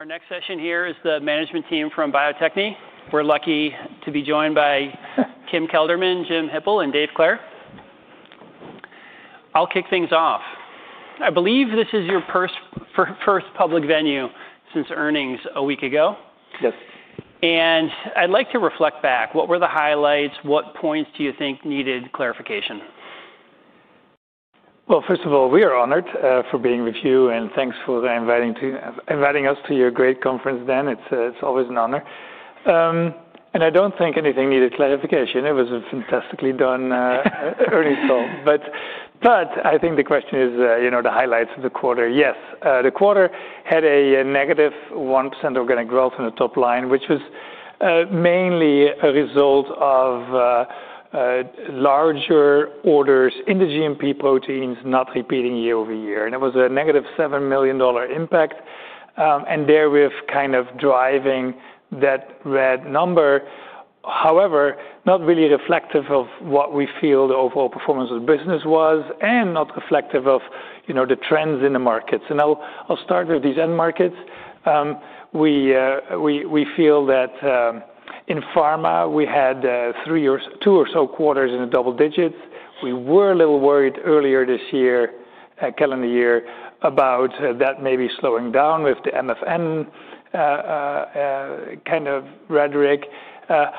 Our next session here is the management team from Bio-Techne. We're lucky to be joined by Kim Kelderman, Jim Hippel, and Dave Clair. I'll kick things off. I believe this is your first public venue since earnings a week ago. Yes. I'd like to reflect back. What were the highlights? What points do you think needed clarification? First of all, we are honored for being with you, and thanks for inviting us to your great conference, Dan. It's always an honor. I don't think anything needed clarification. It was a fantastically done earnings call. I think the question is, you know, the highlights of the quarter. Yes, the quarter had a -1% organic growth in the top line, which was mainly a result of larger orders in the GMP proteins not repeating year-over-year. It was a -$7 million impact, and there we're kind of driving that red number. However, not really reflective of what we feel the overall performance of the business was, and not reflective of, you know, the trends in the markets. I'll start with these end markets. We feel that in pharma, we had two or so quarters in the double digits. We were a little worried earlier this year, calendar year, about that maybe slowing down with the MFN kind of rhetoric.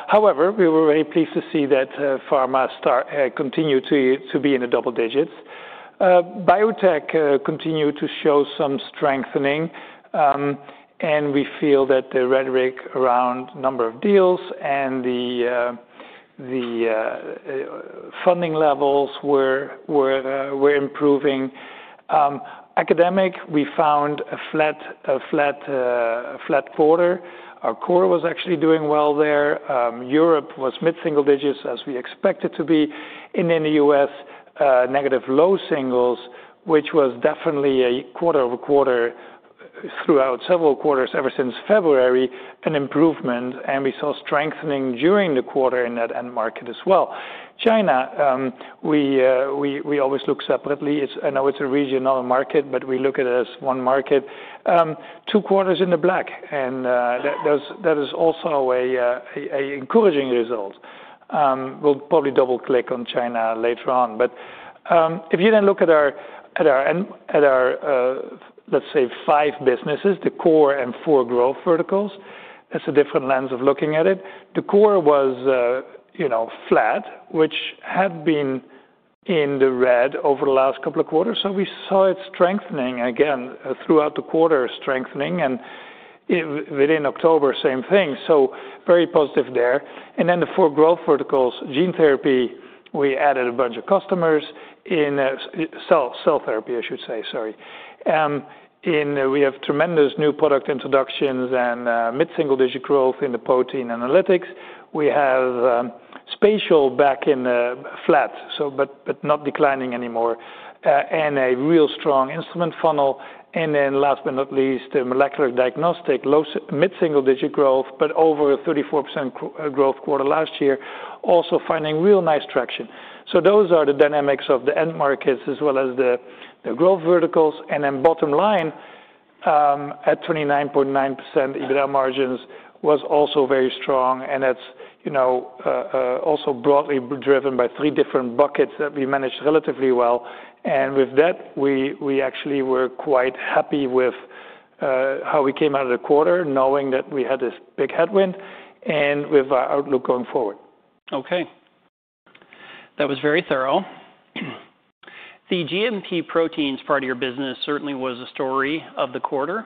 However, we were very pleased to see that pharma continued to be in the double digits. Bio-Tech continued to show some strengthening, and we feel that the rhetoric around number of deals and the funding levels were improving. Academic, we found a flat quarter. Our core was actually doing well there. Europe was mid-single digits, as we expected to be. In the U.S., negative low singles, which was definitely a quarter over quarter throughout several quarters ever since February, an improvement. We saw strengthening during the quarter in that end market as well. China, we always look separately. I know it is a regional market, but we look at it as one market. Two quarters in the black, and that is also an encouraging result. We'll probably double-click on China later on. If you then look at our, let's say, five businesses, the core and four growth verticals, that's a different lens of looking at it. The core was, you know, flat, which had been in the red over the last couple of quarters. We saw it strengthening again throughout the quarter, strengthening. Within October, same thing. Very positive there. The four growth verticals, gene therapy, we added a bunch of customers in cell therapy, I should say, sorry. We have tremendous new product introductions and mid-single digit growth in the protein analytics. We have spatial back in the flat, but not declining anymore. A real strong instrument funnel. Last but not least, the molecular diagnostic, mid-single digit growth, but over a 34% growth quarter last year, also finding real nice traction. Those are the dynamics of the end markets as well as the growth verticals. The bottom line, at 29.9% EBITDA margins, was also very strong. That's, you know, also broadly driven by three different buckets that we managed relatively well. With that, we actually were quite happy with how we came out of the quarter, knowing that we had this big headwind and with our outlook going forward. Okay. That was very thorough. The GMP proteins part of your business certainly was a story of the quarter.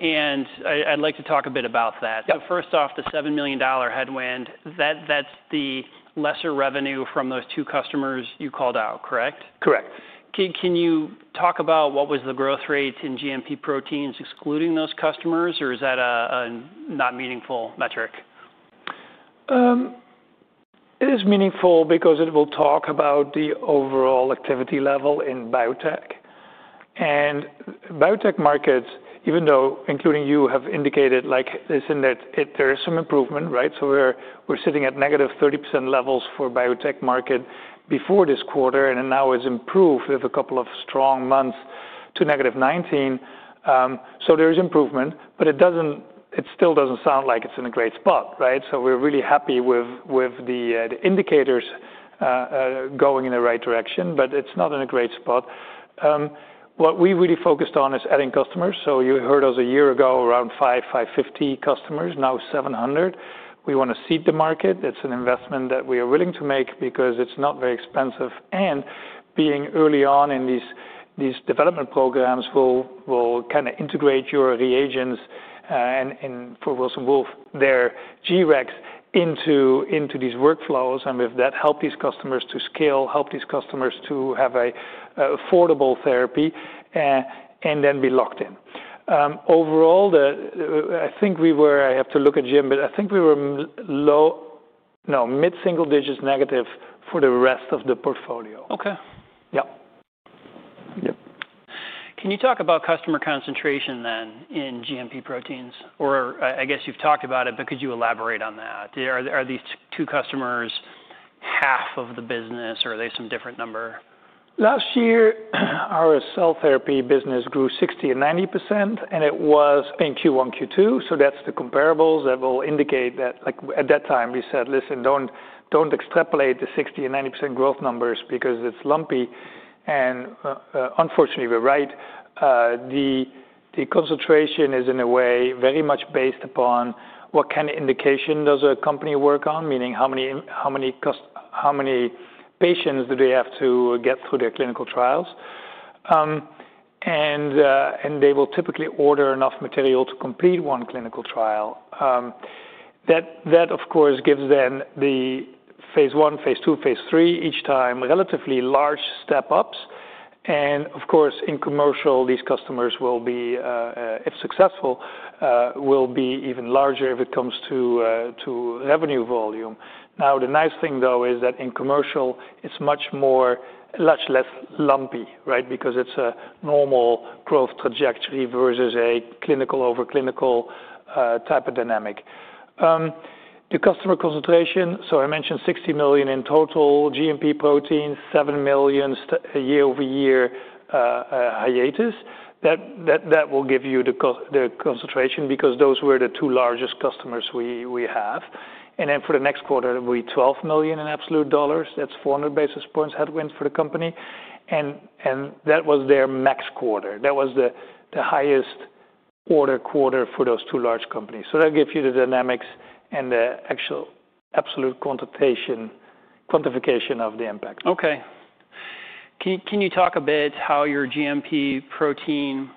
I'd like to talk a bit about that. Yeah. First off, the $7 million headwind, that's the lesser revenue from those two customers you called out, correct? Correct. Can you talk about what was the growth rate in GMP proteins excluding those customers, or is that a not meaningful metric? It is meaningful because it will talk about the overall activity level in biotech. And biotech markets, even though, including you, have indicated, like this, in that there is some improvement, right? We are sitting at -30% levels for the biotech market before this quarter, and now it has improved with a couple of strong months to -19%. There is improvement, but it still does not sound like it is in a great spot, right? We are really happy with the indicators going in the right direction, but it is not in a great spot. What we really focused on is adding customers. You heard us a year ago, around 550 customers, now 700. We want to seed the market. It is an investment that we are willing to make because it is not very expensive. Being early on in these development programs will kind of integrate your reagents for Wilson Wolf, their GREX into these workflows. With that, help these customers to scale, help these customers to have an affordable therapy, and then be locked in. Overall, I think we were, I have to look at Jim, but I think we were low, no, mid-single digits negative for the rest of the portfolio. Okay. Yeah. Yep. Can you talk about customer concentration then in GMP proteins? Or I guess you've talked about it, but could you elaborate on that? Are these two customers half of the business, or are they some different number? Last year, our cell therapy business grew 60% and 90%, and it was in Q1, Q2. That's the comparables that will indicate that at that time we said, listen, don't extrapolate the 60% and 90% growth numbers because it's lumpy. Unfortunately, we're right. The concentration is, in a way, very much based upon what kind of indication does a company work on, meaning how many patients do they have to get through their clinical trials. They will typically order enough material to complete one clinical trial. That, of course, gives them the phase I phase II, phase III, each time relatively large step-ups. Of course, in commercial, these customers will be, if successful, will be even larger if it comes to revenue volume. Now, the nice thing, though, is that in commercial, it's much less lumpy, right, because it's a normal growth trajectory versus a clinical over clinical type of dynamic. The customer concentration, so I mentioned $60 million in total, GMP proteins, $7 million year-over-year hiatus. That will give you the concentration because those were the two largest customers we have. For the next quarter, it will be $12 million in absolute dollars. That is 400 basis points headwind for the company. That was their max quarter. That was the highest order quarter for those two large companies. That gives you the dynamics and the actual absolute quantification of the impact. Okay. Can you talk a bit how your GMP protein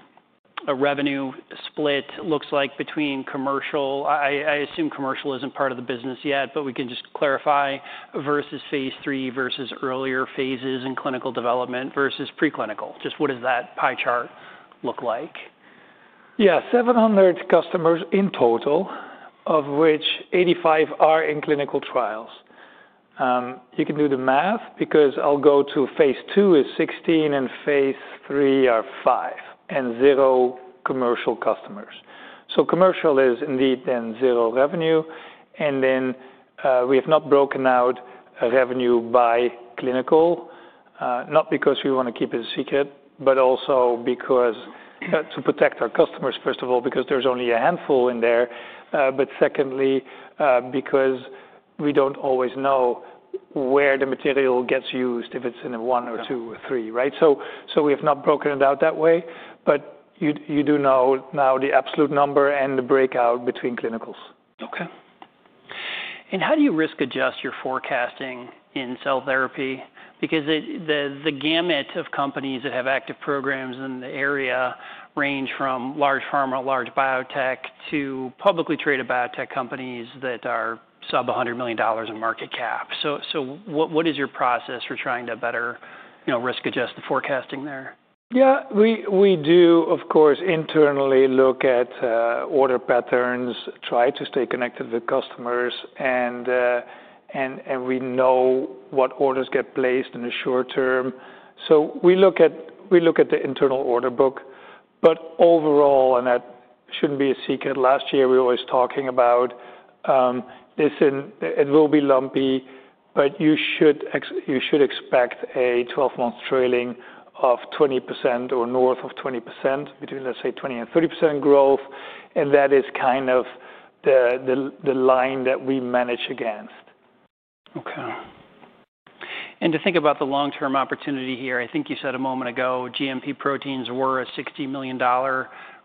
revenue split looks like between commercial? I assume commercial isn't part of the business yet, but we can just clarify versus phase III versus earlier phases in clinical development versus preclinical. Just what does that pie chart look like? Yeah, 700 customers in total, of which 85 are in clinical trials. You can do the math because I'll go to phase II is 16, and phase III are five and zero commercial customers. Commercial is indeed then zero revenue. We have not broken out revenue by clinical, not because we want to keep it a secret, but also to protect our customers, first of all, because there's only a handful in there. Secondly, because we don't always know where the material gets used, if it's in a one or two or three, right? We have not broken it out that way. You do know now the absolute number and the breakout between clinicals. Okay. How do you risk adjust your forecasting in cell therapy? Because the gamut of companies that have active programs in the area range from large pharma, large biotech, to publicly traded biotech companies that are sub $100 million in market cap. What is your process for trying to better risk adjust the forecasting there? Yeah, we do, of course, internally look at order patterns, try to stay connected with customers, and we know what orders get placed in the short term. We look at the internal order book. Overall, that should not be a secret. Last year we were always talking about this, and it will be lumpy, but you should expect a 12-month trailing of 20% or north of 20%, between, let's say, 20% and 30% growth. That is kind of the line that we manage against. Okay. To think about the long-term opportunity here, I think you said a moment ago GMP proteins were a $60 million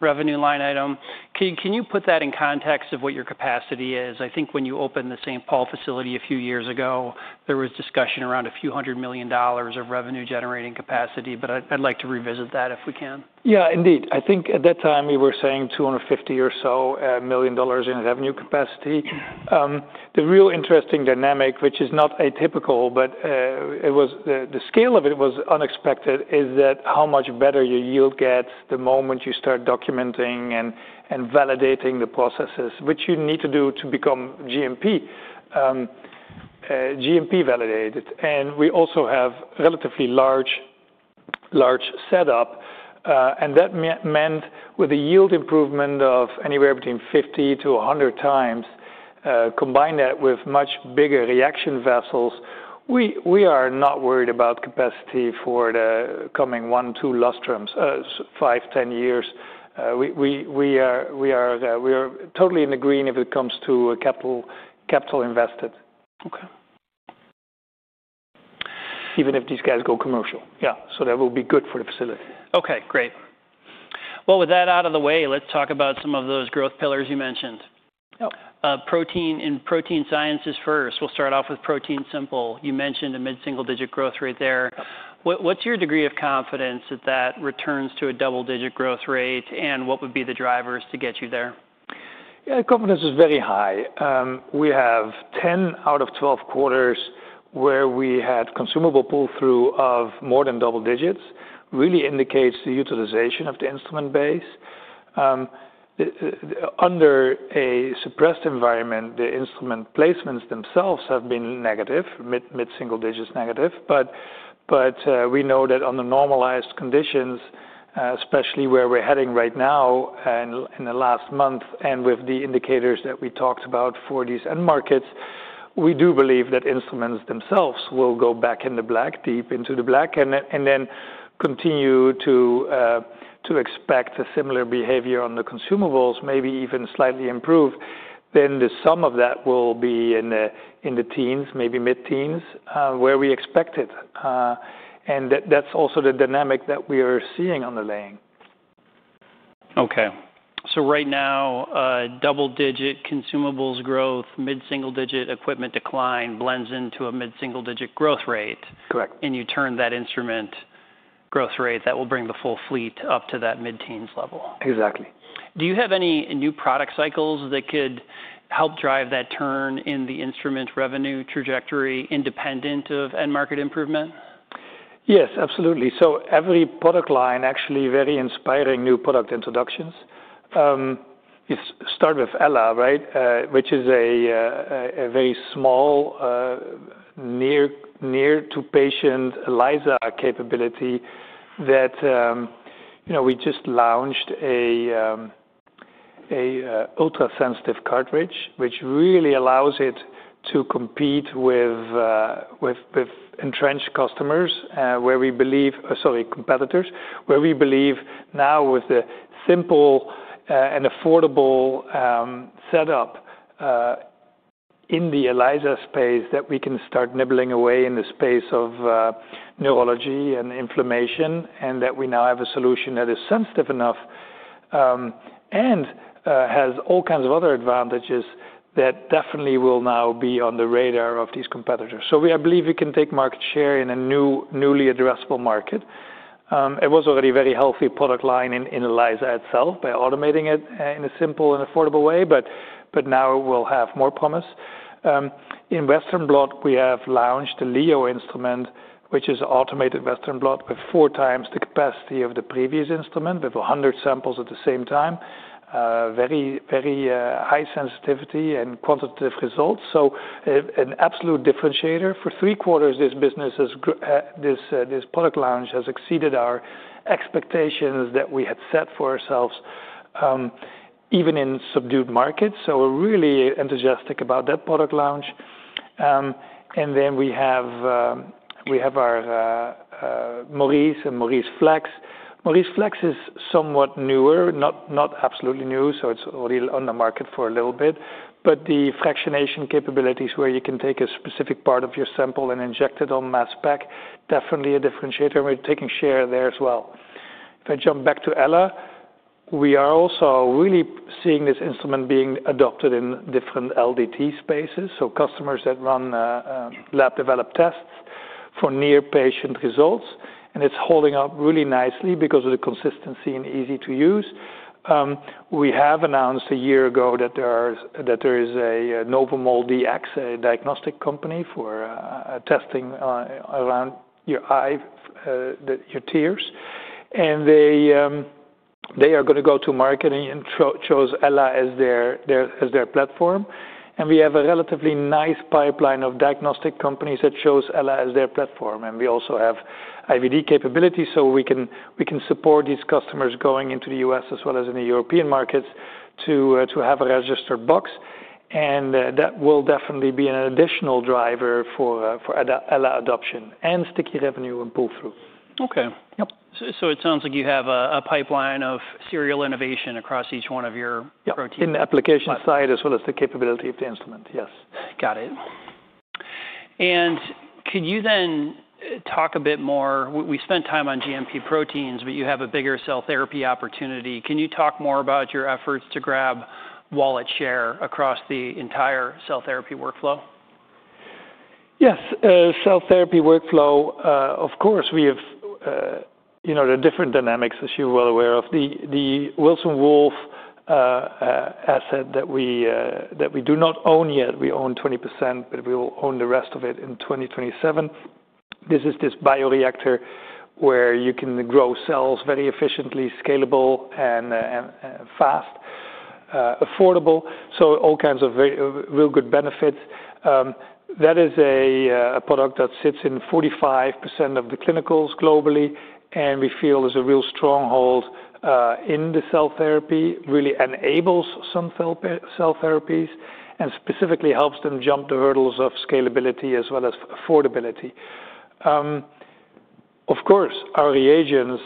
revenue line item. Can you put that in context of what your capacity is? I think when you opened the St. Paul facility a few years ago, there was discussion around a few hundred million dollars of revenue-generating capacity. I would like to revisit that if we can. Yeah, indeed. I think at that time we were saying $250 million or so in revenue capacity. The real interesting dynamic, which is not atypical, but the scale of it was unexpected, is that how much better your yield gets the moment you start documenting and validating the processes, which you need to do to become GMP validated. We also have relatively large setup. That meant with a yield improvement of anywhere between 50-100x, combine that with much bigger reaction vessels, we are not worried about capacity for the coming one, two lustrums, five, ten years. We are totally in the green if it comes to capital invested. Okay. Even if these guys go commercial, yeah. That will be good for the facility. Okay, great. With that out of the way, let's talk about some of those growth pillars you mentioned. Yeah. Protein and protein science is first. We'll start off with ProteinSimple. You mentioned a mid-single digit growth rate there. What's your degree of confidence that that returns to a double-digit growth rate, and what would be the drivers to get you there? Yeah, confidence is very high. We have 10 out of 12 quarters where we had consumable pull-through of more than double digits, really indicates the utilization of the instrument base. Under a suppressed environment, the instrument placements themselves have been negative, mid-single digits negative. We know that under normalized conditions, especially where we're heading right now in the last month and with the indicators that we talked about for these end markets, we do believe that instruments themselves will go back in the black, deep into the black, and continue to expect a similar behavior on the consumables, maybe even slightly improved. The sum of that will be in the teens, maybe mid-teens, where we expect it. That is also the dynamic that we are seeing on the laying. Okay. So right now, double digit consumables growth, mid-single digit equipment decline blends into a mid-single digit growth rate. Correct. You turn that instrument growth rate, that will bring the full fleet up to that mid-teens level. Exactly. Do you have any new product cycles that could help drive that turn in the instrument revenue trajectory independent of end market improvement? Yes, absolutely. Every product line, actually very inspiring new product introductions. We start with ELA, right, which is a very small, near-to-patient ELISA capability that we just launched, an ultra-sensitive cartridge, which really allows it to compete with entrenched competitors, where we believe now with the simple and affordable setup in the ELISA space that we can start nibbling away in the space of neurology and inflammation, and that we now have a solution that is sensitive enough and has all kinds of other advantages that definitely will now be on the radar of these competitors. I believe we can take market share in a newly addressable market. It was already a very healthy product line in ELISA itself by automating it in a simple and affordable way, but now it will have more promise. In Western Blot, we have launched the Leo instrument, which is an automated Western Blot with four times the capacity of the previous instrument with 100 samples at the same time, very high sensitivity and quantitative results. An absolute differentiator for three quarters, this product launch has exceeded our expectations that we had set for ourselves, even in subdued markets. We are really enthusiastic about that product launch. Then we have our Maurice and Maurice Flex. Maurice Flex is somewhat newer, not absolutely new, so it is already on the market for a little bit. The fractionation capabilities where you can take a specific part of your sample and inject it on mass spec, definitely a differentiator, and we are taking share there as well. If I jump back to ELA, we are also really seeing this instrument being adopted in different LDT spaces. Customers that run lab-developed tests for near-patient results. It's holding up really nicely because of the consistency and easy to use. We announced a year ago that there is a NovoMol DX, a diagnostic company for testing around your tears. They are going to go to market and chose ELA as their platform. We have a relatively nice pipeline of diagnostic companies that chose ELA as their platform. We also have IVD capabilities, so we can support these customers going into the US as well as in the European markets to have a registered box. That will definitely be an additional driver for ELA adoption and sticky revenue and pull-through. Okay. So it sounds like you have a pipeline of serial innovation across each one of your proteins. Yeah, in the application side as well as the capability of the instrument, yes. Got it. Could you then talk a bit more? We spent time on GMP proteins, but you have a bigger cell therapy opportunity. Can you talk more about your efforts to grab wallet share across the entire cell therapy workflow? Yes. Cell therapy workflow, of course, we have the different dynamics, as you're well aware of. The Wilson Wolf asset that we do not own yet, we own 20%, but we will own the rest of it in 2027. This is this bioreactor where you can grow cells very efficiently, scalable, and fast, affordable. All kinds of real good benefits. That is a product that sits in 45% of the clinicals globally, and we feel is a real stronghold in the cell therapy, really enables some cell therapies and specifically helps them jump the hurdles of scalability as well as affordability. Of course, our reagents,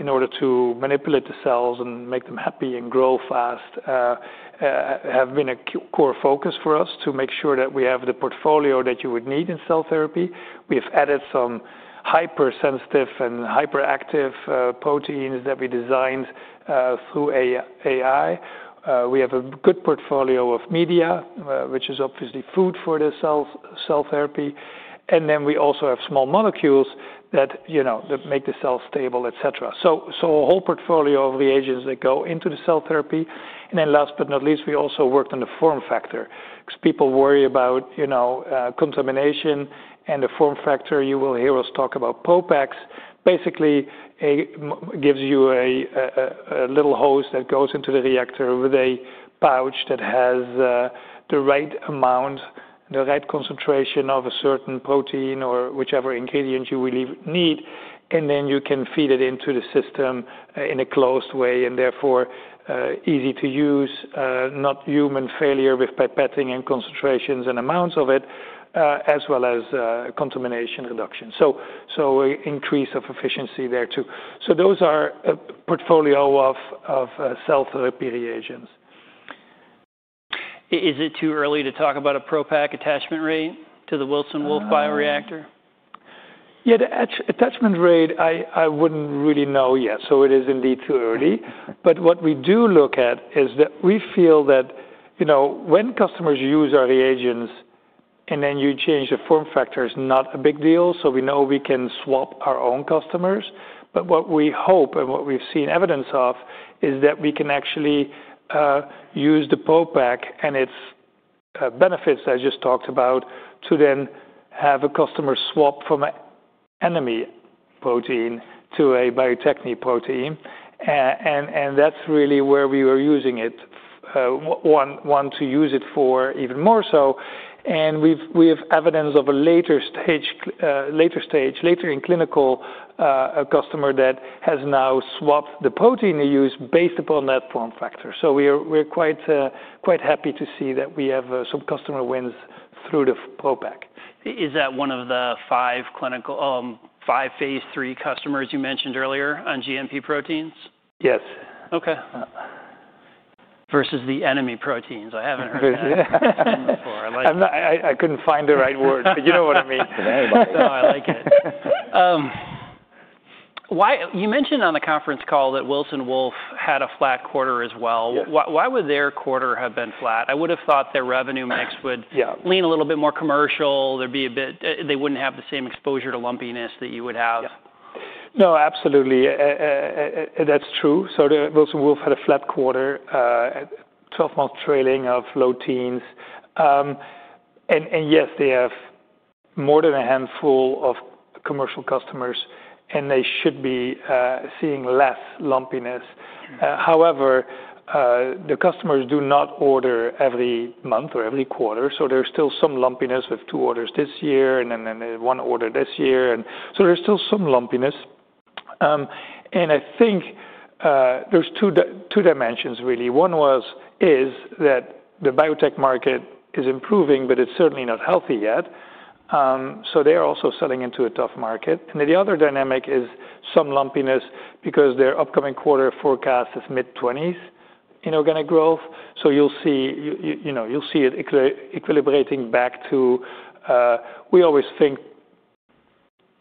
in order to manipulate the cells and make them happy and grow fast, have been a core focus for us to make sure that we have the portfolio that you would need in cell therapy. We have added some hypersensitive and hyperactive proteins that we designed through AI. We have a good portfolio of media, which is obviously food for the cell therapy. We also have small molecules that make the cells stable, et cetera. A whole portfolio of reagents that go into the cell therapy. Last but not least, we also worked on the form factor because people worry about contamination. The form factor, you will hear us talk about Popex, basically gives you a little hose that goes into the reactor with a pouch that has the right amount, the right concentration of a certain protein or whichever ingredient you really need. You can feed it into the system in a closed way and therefore easy to use, not human failure with pipetting and concentrations and amounts of it, as well as contamination reduction. Increase of efficiency there too. So those are a portfolio of cell therapy reagents. Is it too early to talk about a Popex attachment rate to the Wilson Wolf bioreactor? Yeah, the attachment rate, I wouldn't really know yet. It is indeed too early. What we do look at is that we feel that when customers use our reagents and then you change the form factors, not a big deal. We know we can swap our own customers. What we hope and what we've seen evidence of is that we can actually use the Popex and its benefits I just talked about to then have a customer swap from an enemy protein to a Bio-Techne protein. That's really where we were using it, want to use it for even more so. We have evidence of a later stage, later in clinical, a customer that has now swapped the protein they use based upon that form factor. We're quite happy to see that we have some customer wins through the Popex. Is that one of the five clinical, five phase III customers you mentioned earlier on GMP proteins? Yes. Okay. Versus the enemy proteins. I haven't heard that before. I couldn't find the right word, but you know what I mean. No, I like it. You mentioned on the conference call that Wilson Wolf had a flat quarter as well. Why would their quarter have been flat? I would have thought their revenue mix would lean a little bit more commercial. There'd be a bit, they wouldn't have the same exposure to lumpiness that you would have. No, absolutely. That's true. Wilson Wolf had a flat quarter, 12-month trailing of low teens. Yes, they have more than a handful of commercial customers, and they should be seeing less lumpiness. However, the customers do not order every month or every quarter. There's still some lumpiness with two orders this year and then one order this year. There's still some lumpiness. I think there's two dimensions, really. One is that the biotech market is improving, but it's certainly not healthy yet. They are also selling into a tough market. The other dynamic is some lumpiness because their upcoming quarter forecast is mid-20s in organic growth. You'll see it equilibrating back to, we always think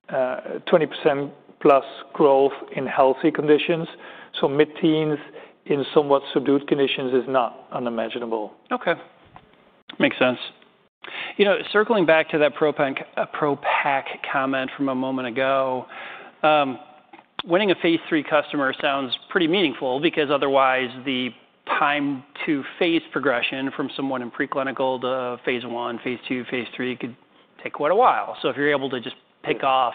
20% plus growth in healthy conditions. Mid-teens in somewhat subdued conditions is not unimaginable. Okay. Makes sense. Circling back to that Popex comment from a moment ago, winning a phase III customer sounds pretty meaningful because otherwise the time to phase progression from someone in preclinical to phase I, phase II, phase III could take quite a while. If you're able to just pick off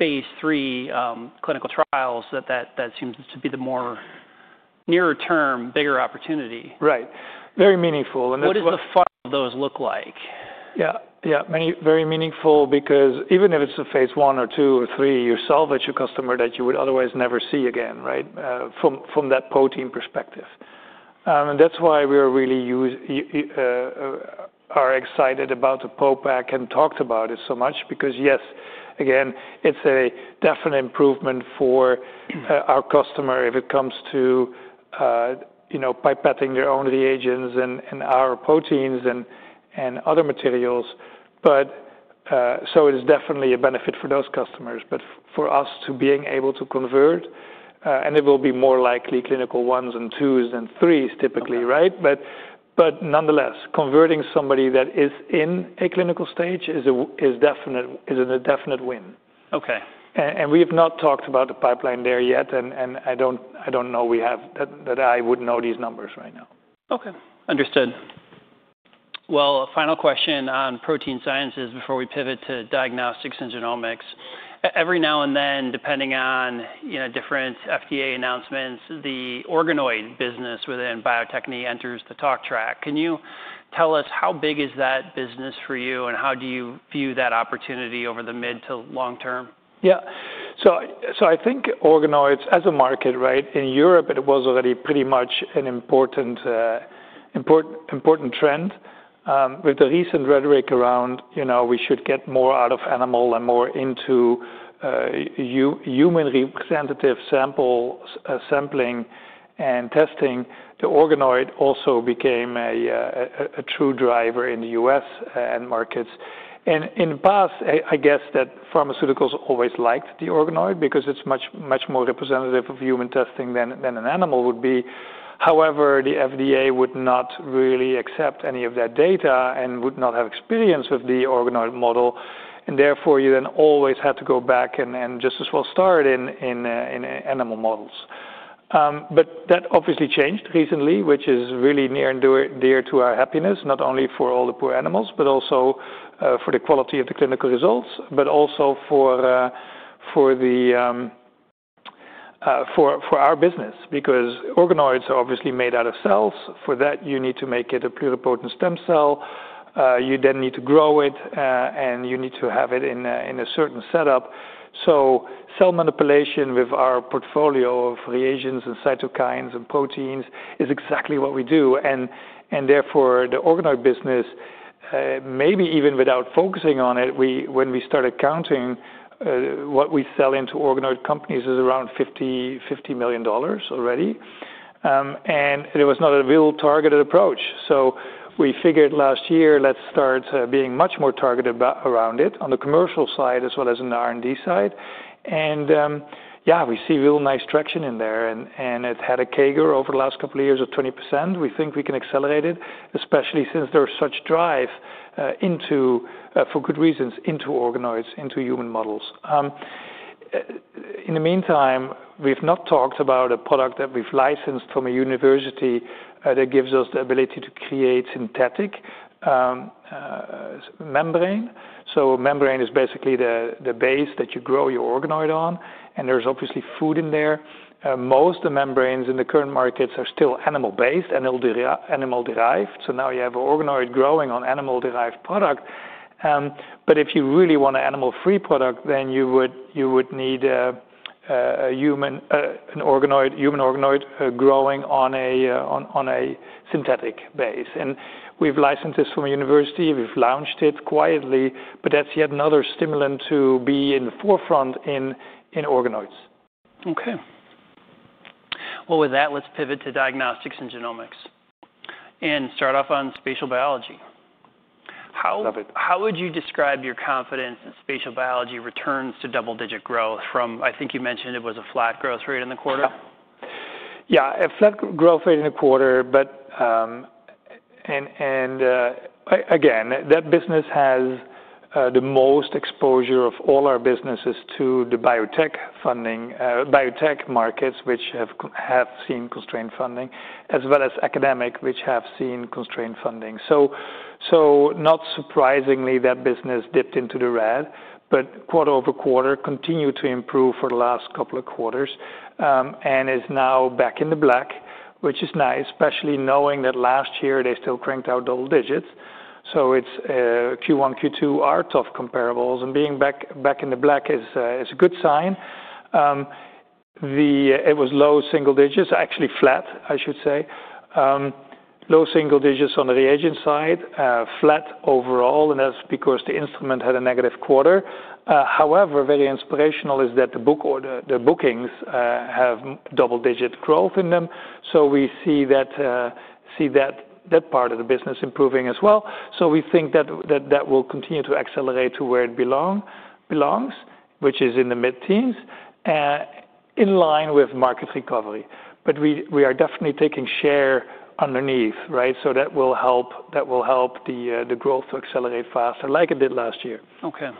phase III clinical trials, that seems to be the more nearer term, bigger opportunity. Right. Very meaningful. What does the funnel of those look like? Yeah, yeah. Very meaningful because even if it's a phase I or II or III, you salvage a customer that you would otherwise never see again, right, from that protein perspective. That is why we are really excited about the Popex and talked about it so much because yes, again, it's a definite improvement for our customer if it comes to pipetting their own reagents and our proteins and other materials. It is definitely a benefit for those customers. For us, being able to convert, and it will be more likely clinical ones and twos than threes typically, right? Nonetheless, converting somebody that is in a clinical stage is a definite win. We have not talked about the pipeline there yet, and I don't know that I would know these numbers right now. Okay. Understood. Final question on protein sciences before we pivot to diagnostics and genomics. Every now and then, depending on different FDA announcements, the organoid business within Bio-Techne enters the talk track. Can you tell us how big is that business for you and how do you view that opportunity over the mid to long term? Yeah. I think organoids as a market, right, in Europe, it was already pretty much an important trend. With the recent rhetoric around we should get more out of animal and more into human representative sample sampling and testing, the organoid also became a true driver in the US and markets. In the past, I guess that pharmaceuticals always liked the organoid because it's much more representative of human testing than an animal would be. However, the FDA would not really accept any of that data and would not have experience with the organoid model. Therefore, you then always had to go back and just as well start in animal models. That obviously changed recently, which is really near and dear to our happiness, not only for all the poor animals, but also for the quality of the clinical results, but also for our business because organoids are obviously made out of cells. For that, you need to make it a pluripotent stem cell. You then need to grow it, and you need to have it in a certain setup. Cell manipulation with our portfolio of reagents and cytokines and proteins is exactly what we do. Therefore, the organoid business, maybe even without focusing on it, when we started counting what we sell into organoid companies is around $50 million already. It was not a real targeted approach. We figured last year, let's start being much more targeted around it on the commercial side as well as an R&D side. Yeah, we see real nice traction in there. It had a CAGR over the last couple of years of 20%. We think we can accelerate it, especially since there is such drive for good reasons into organoids, into human models. In the meantime, we have not talked about a product that we have licensed from a university that gives us the ability to create synthetic membrane. Membrane is basically the base that you grow your organoid on. There is obviously food in there. Most of the membranes in the current markets are still animal-based and animal-derived. Now you have an organoid growing on animal-derived product. If you really want an animal-free product, then you would need an organoid growing on a synthetic base. We have licensed this from a university. We have launched it quietly, but that is yet another stimulant to be in the forefront in organoids. Okay. With that, let's pivot to diagnostics and genomics and start off on spatial biology. How would you describe your confidence that spatial biology returns to double-digit growth from, I think you mentioned it was a flat growth rate in the quarter? Yeah, a flat growth rate in the quarter. Again, that business has the most exposure of all our businesses to the biotech markets, which have seen constrained funding, as well as academic, which have seen constrained funding. Not surprisingly, that business dipped into the red, but quarter over quarter continued to improve for the last couple of quarters and is now back in the black, which is nice, especially knowing that last year they still cranked out double digits. Q1, Q2 are tough comparables, and being back in the black is a good sign. It was low single digits, actually flat, I should say. Low single digits on the reagent side, flat overall, and that is because the instrument had a negative quarter. However, very inspirational is that the bookings have double-digit growth in them. We see that part of the business improving as well. We think that that will continue to accelerate to where it belongs, which is in the mid-teens, in line with market recovery. We are definitely taking share underneath, right? That will help the growth to accelerate faster like it did last year. Okay.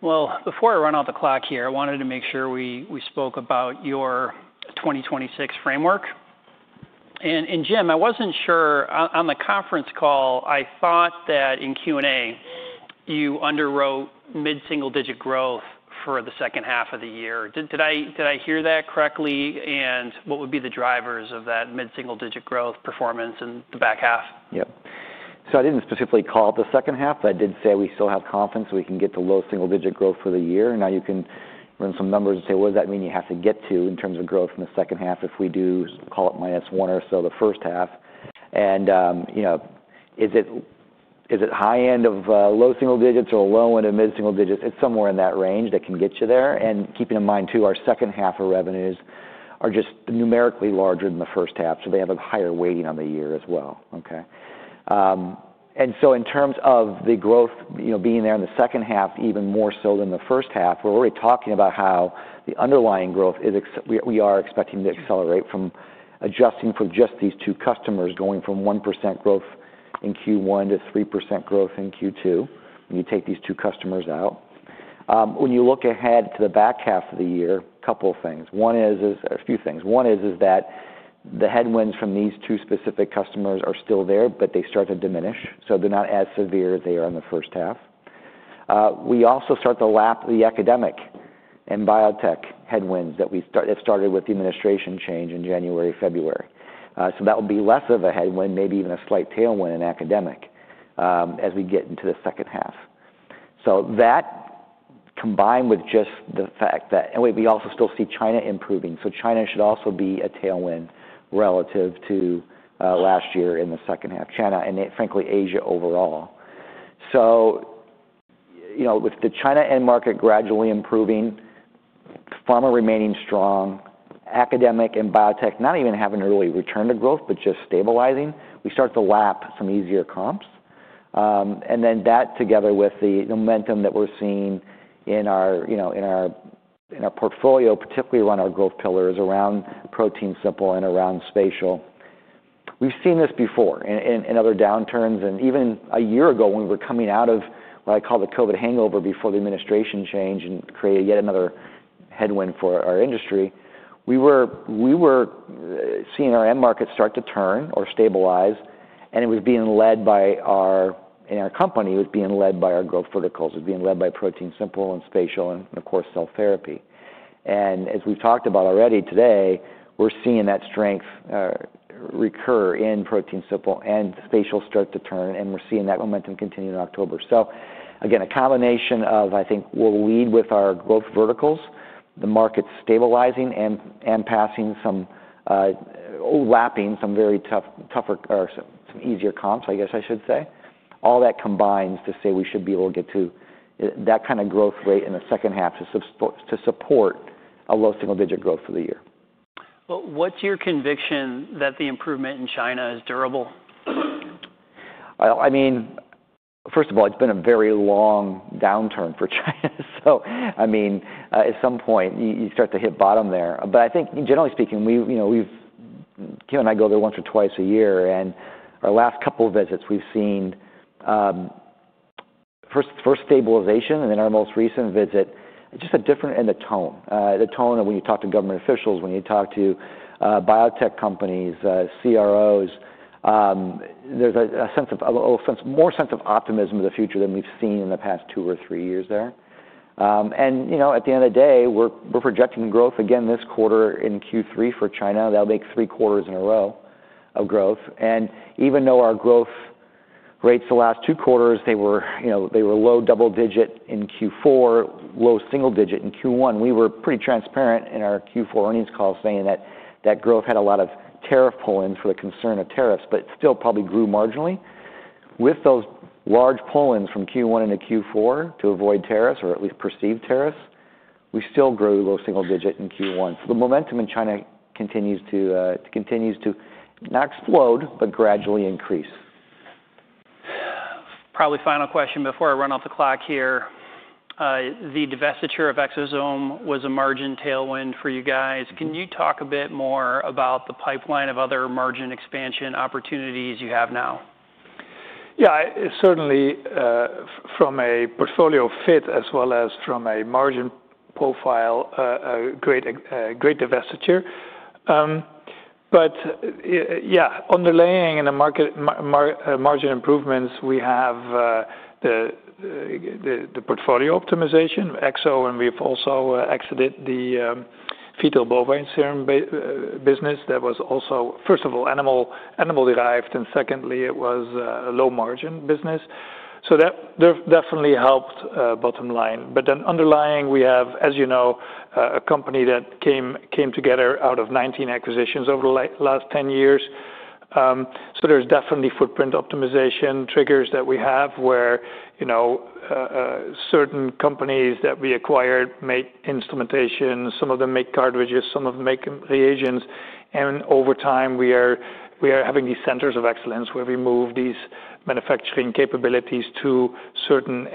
Before I run out the clock here, I wanted to make sure we spoke about your 2026 framework. Jim, I was not sure on the conference call, I thought that in Q&A you underwrote mid-single digit growth for the second half of the year. Did I hear that correctly? What would be the drivers of that mid-single digit growth performance in the back half? Yeah. I did not specifically call it the second half, but I did say we still have confidence we can get to low single digit growth for the year. Now you can run some numbers and say, what does that mean you have to get to in terms of growth in the second half if we do call it minus 1% or so the first half? Is it high end of low single digits or low end of mid-single digits? It is somewhere in that range that can get you there. Keeping in mind too, our second half revenues are just numerically larger than the first half. They have a higher weighting on the year as well. Okay. In terms of the growth being there in the second half, even more so than the first half, we're already talking about how the underlying growth we are expecting to accelerate from adjusting for just these two customers, going from 1% growth in Q1 to 3% growth in Q2 when you take these two customers out. When you look ahead to the back half of the year, a couple of things. One is, a few things. One is that the headwinds from these two specific customers are still there, but they start to diminish. They are not as severe as they are in the first half. We also start to lap the academic and biotech headwinds that started with the administration change in January, February. That will be less of a headwind, maybe even a slight tailwind in academic as we get into the second half. That combined with just the fact that we also still see China improving. China should also be a tailwind relative to last year in the second half, China and frankly Asia overall. With the China end market gradually improving, pharma remaining strong, academic and biotech not even having really returned to growth, but just stabilizing, we start to lap some easier comps. That together with the momentum that we're seeing in our portfolio, particularly around our growth pillars around protein simple and around spatial. We've seen this before in other downturns. Even a year ago when we were coming out of what I call the COVID hangover before the administration change and created yet another headwind for our industry, we were seeing our end market start to turn or stabilize. It was being led by our, in our company, it was being led by our growth verticals. It was being led by ProteinSimple and spatial and of course cell therapy. As we've talked about already today, we're seeing that strength recur in ProteinSimple and spatial start to turn. We're seeing that momentum continue in October. Again, a combination of, I think we'll lead with our growth verticals, the market stabilizing and lapping some very tougher, some easier comps, I guess I should say. All that combines to say we should be able to get to that kind of growth rate in the second half to support a low single-digit growth for the year. What's your conviction that the improvement in China is durable? I mean, first of all, it's been a very long downturn for China. I mean, at some point, you start to hit bottom there. I think generally speaking, Kim and I go there once or twice a year. Our last couple of visits, we've seen first stabilization and then our most recent visit, just a different in the tone. The tone of when you talk to government officials, when you talk to biotech companies, CROs, there's a sense of a little more sense of optimism in the future than we've seen in the past two or three years there. At the end of the day, we're projecting growth again this quarter in Q3 for China. That'll make three quarters in a row of growth. Even though our growth rates the last two quarters, they were low double digit in Q4, low single digit in Q1, we were pretty transparent in our Q4 earnings call saying that that growth had a lot of tariff pull-ins for the concern of tariffs, but still probably grew marginally. With those large pull-ins from Q1 into Q4 to avoid tariffs or at least perceived tariffs, we still grew low single digit in Q1. The momentum in China continues to not explode, but gradually increase. Probably final question before I run off the clock here. The divestiture of Exosome was a margin tailwind for you guys. Can you talk a bit more about the pipeline of other margin expansion opportunities you have now? Yeah, certainly from a portfolio fit as well as from a margin profile, a great divestiture. Yeah, underlying in the market margin improvements, we have the portfolio optimization, Exosome, and we've also exited the fetal bovine serum business that was also, first of all, animal-derived, and secondly, it was a low margin business. That definitely helped bottom line. Underlying, we have, as you know, a company that came together out of 19 acquisitions over the last 10 years. There's definitely footprint optimization triggers that we have where certain companies that we acquired made instrumentation, some of them make cartridges, some of them make reagents. Over time, we are having these centers of excellence where we move these manufacturing capabilities to certain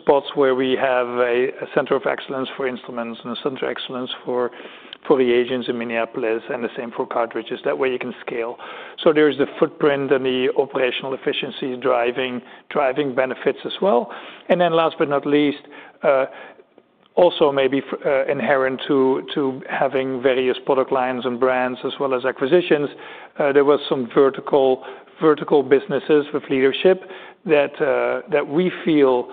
spots where we have a center of excellence for instruments and a center of excellence for reagents in Minneapolis, and the same for cartridges. That way you can scale. There is the footprint and the operational efficiency driving benefits as well. Last but not least, also maybe inherent to having various product lines and brands as well as acquisitions, there were some vertical businesses with leadership that we feel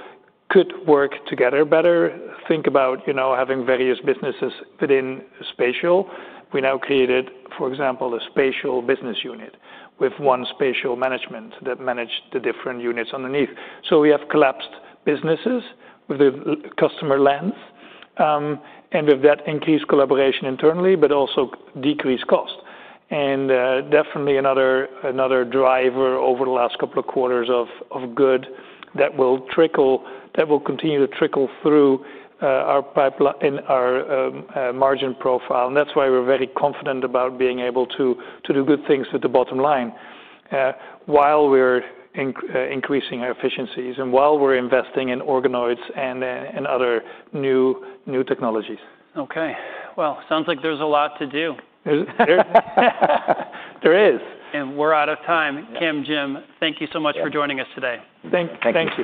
could work together better. Think about having various businesses within spatial. We now created, for example, a spatial business unit with one spatial management that managed the different units underneath. We have collapsed businesses with the customer lens and with that increased collaboration internally, but also decreased cost. Definitely another driver over the last couple of quarters of good that will continue to trickle through our margin profile. That is why we're very confident about being able to do good things with the bottom line while we're increasing our efficiencies and while we're investing in organoids and other new technologies. Okay. Sounds like there's a lot to do. There is. We're out of time. Kim, Jim, thank you so much for joining us today. Thank you.